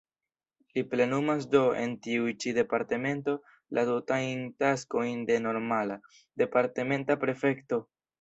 Li plenumas do en tiu ĉi departemento la tutajn taskojn de normala, departementa prefekto.